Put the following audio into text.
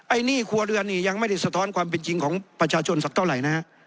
หนี้ครัวเรือนนี่ยังไม่ได้สะท้อนความเป็นจริงของประชาชนสักเท่าไหร่นะฮะ